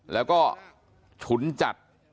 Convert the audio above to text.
แล้วก็ฉุนจัด